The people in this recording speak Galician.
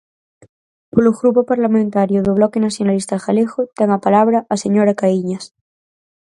Polo Grupo Parlamentario do Bloque Nacionalista Galego, ten a palabra a señora Caíñas.